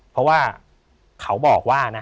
เพราะว่าเขาบอกว่านะ